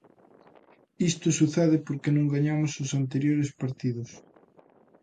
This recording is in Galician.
Isto sucede porque non gañamos os anteriores partidos.